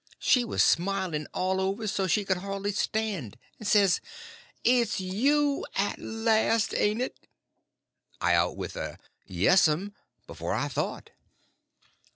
She was smiling all over so she could hardly stand—and says: "It's you, at last!—ain't it?" I out with a "Yes'm" before I thought.